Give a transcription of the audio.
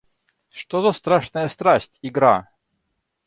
Что за страшная страсть — игра!